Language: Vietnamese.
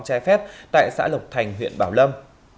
trái phép tại xã lục thành huyện bảo lâm